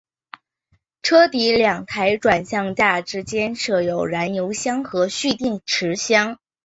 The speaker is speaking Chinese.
车底两台转向架之间设有燃油箱和蓄电池箱。